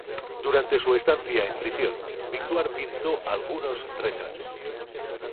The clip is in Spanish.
Durante su estancia en prisión, Victoire pintó algunos retratos.